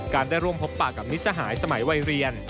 ได้ร่วมพบปากกับมิสหายสมัยวัยเรียน